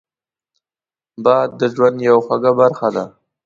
باد د ژوند یوه خوږه برخه ده